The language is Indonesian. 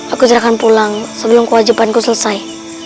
aku tidak akan pulang sebelum kewajibanku selesai